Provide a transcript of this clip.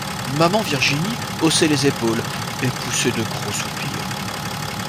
Maman Virginie haussait les épaules, et poussait de gros soupirs.